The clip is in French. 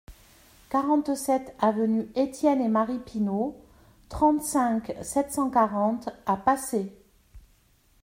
quarante-sept avenue Etienne et Marie Pinault, trente-cinq, sept cent quarante à Pacé